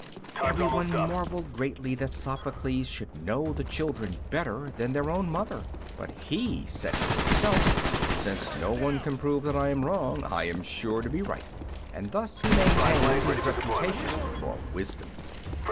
Everyone marvelled greatly that Sophocles should know the children better than their own mother, but he said to himself, "Since no one can prove that I am wrong I am sure to be right;" and thus he maintained his reputation for wisdom.